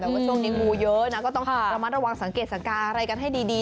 แต่ว่าช่วงนี้งูเยอะนะก็ต้องระมัดระวังสังเกตสังกาอะไรกันให้ดี